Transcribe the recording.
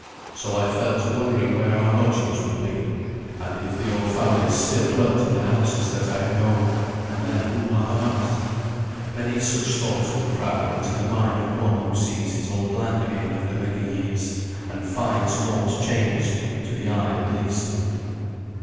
So I fell to wondering where our lodgings would he, and if the old families still dwelt in the houses that I had known, and then who had ours. Many such thoughts will crowd into the mind of one who sees his old land again after many years, and finds naught changed, to the eye at least.